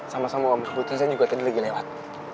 sama sama kebetulan saya juga tadi lagi lewat